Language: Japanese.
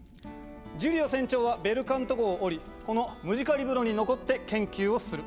ジュリオ船長はベルカント号をおりこのムジカリブロに残って研究をする。